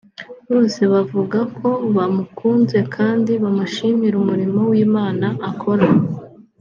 bose bavuga ko bamukunze kandi bamushimira umurimo w’ Imana akora